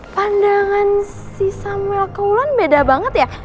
pandangan si samuel ke mulan beda banget ya